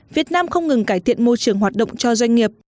việt nam không ngừng cải thiện môi trường hoạt động cho doanh nghiệp